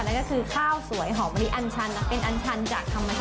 นั่นก็คือข้าวสวยหอมะลิอันชันเป็นอันชันจากธรรมชาติ